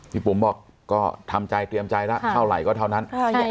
ปุ๋มบอกก็ทำใจเตรียมใจแล้วเท่าไหร่ก็เท่านั้น